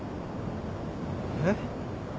えっ？